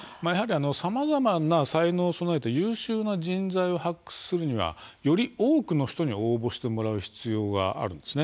さまざまな才能を備えて優秀な人材を発掘するためにはより多くの人に応募してもらう必要があるんです。